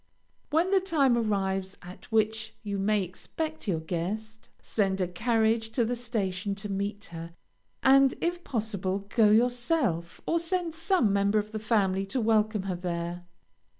When the time arrives at which you may expect your guest, send a carriage to the station to meet her, and, if possible, go yourself, or send some member of the family to welcome her there.